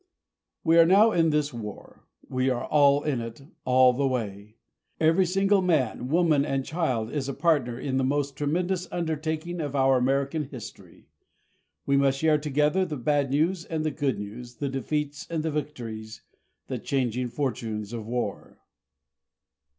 We are now in this war. We are all in it all the way. Every single man, woman and child is a partner in the most tremendous undertaking of our American history. We must share together the bad news and the good news, the defeats and the victories the changing fortunes of war.